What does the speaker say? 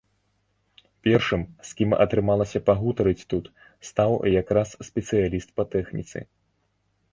Першым, з кім атрымалася пагутарыць тут, стаў як раз спецыяліст па тэхніцы.